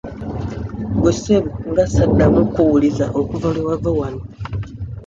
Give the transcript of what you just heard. Gwe ssebo nga saddamu kkuwuliza okuva lwe wava wano?